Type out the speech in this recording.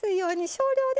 少量で。